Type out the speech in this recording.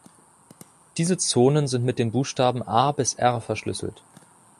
Diese Zonen sind mit den Buchstaben „A“ bis „R“ verschlüsselt.